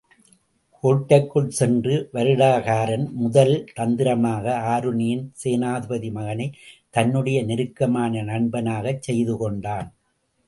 கோட்டைக்குள் சென்ற வருடகாரன், முதல் தந்திரமாக ஆருணியின் சேனாபதி மகனைத் தன்னுடைய நெருக்கமான நண்பனாகச் செய்து கொண்டான்.